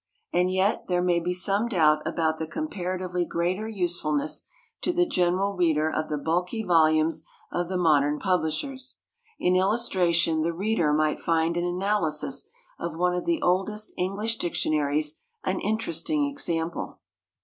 And yet there may be some doubt about the comparatively greater usefulness to the general reader of the bulky volumes of the modern publishers. In illustration the reader might find an analysis of one of the oldest English dictionaries an interesting example.